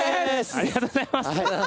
ありがとうございます。